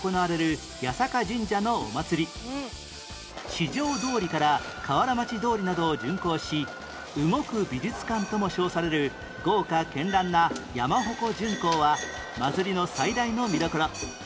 四条通から河原町通などを巡行し動く美術館とも称される豪華絢爛な山鉾巡行は祭りの最大の見どころ